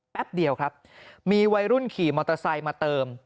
แป๊บเดียวครับมีวัยรุ่นขี่มอเตอร์ไซค์มาเติม